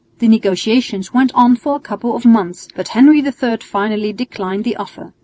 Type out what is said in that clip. The negotiations went on for a couple of months, but Henry III finally declined the offer.